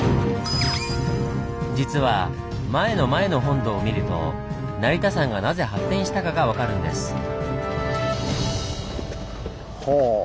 実は「前の前の本堂」を見ると成田山がなぜ発展したかが分かるんです。